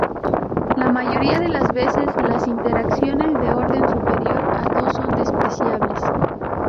La mayoría de las veces las interacciones de orden superior a dos son despreciables.